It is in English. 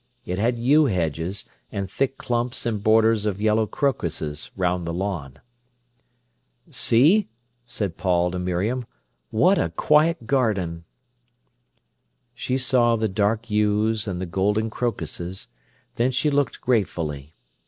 It had yew hedges and thick clumps and borders of yellow crocuses round the lawn. "See," said Paul to Miriam, "what a quiet garden!" She saw the dark yews and the golden crocuses, then she looked gratefully.